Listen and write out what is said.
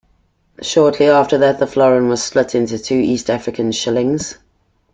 Shortly after that, the florin was split into two East African shillings.